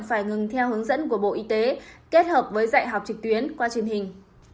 phải ngừng theo hướng dẫn của bộ y tế kết hợp với dạy học trực tuyến qua truyền hình